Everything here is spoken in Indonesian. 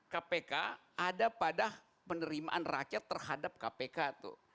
kpk ada pada penerimaan rakyat terhadap kpk tuh